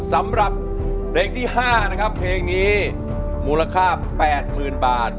สำหรับเพลงที่๕นะครับเพลงนี้มูลค่า๘๐๐๐บาท